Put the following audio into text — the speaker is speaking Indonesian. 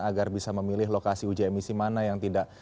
agar bisa memilih lokasi uji emisi mana yang tidak